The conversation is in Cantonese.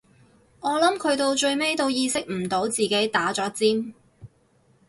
我諗佢到最尾都意識唔到自己打咗尖